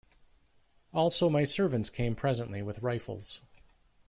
Also my servants came presently with rifles.